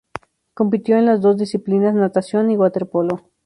Compitió en las dos disciplinas: natación y waterpolo.